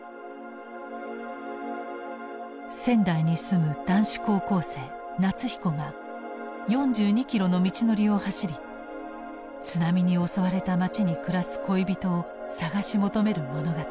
仙台に住む男子高校生夏彦が４２キロの道のりを走り津波に襲われた町に暮らす恋人を捜し求める物語。